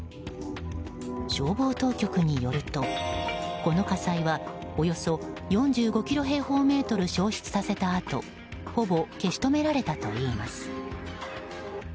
消防当局によると、この火災はおよそ４５平方メートル焼失させたあとほぼ消し止められたといいます。